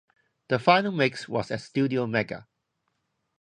The final mix was at Studio Mega.